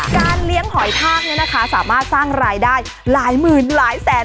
เลี้ยงหอยทากเนี่ยนะคะสามารถสร้างรายได้หลายหมื่นหลายแสน